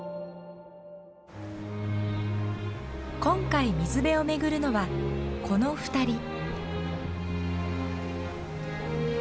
今回水辺を巡るのはこの２人。